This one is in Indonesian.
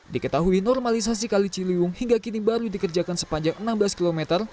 diketahui normalisasi kali ciliwung hingga kini baru dikerjakan sepanjang enam belas km